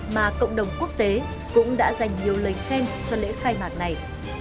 mà cộng đồng quốc tế cũng đã dành nhiều lời khen cho lễ khai mạc này